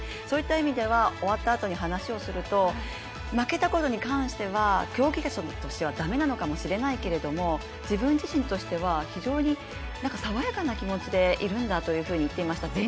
そういった意味では終わったあとに話をすると負けたことに関しては競技選手としては駄目なのかもしれないけど自分自身としては非常に爽やかな気持ちでいるんだと言っていました。